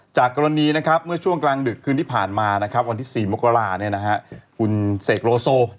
จากกรณีเมื่อช่วงกลางดึกคืนที่ผ่านมาวันที่๔มกราคุณเศกโลโซ